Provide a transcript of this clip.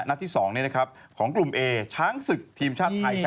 นัดที่สองเนี่ยนะครับของกลุ่มเอช้างศึกทีมชาติไทยแชมป์เก่า